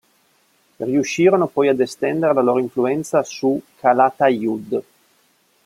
Riuscirono poi ad estendere la loro influenza su Calatayud.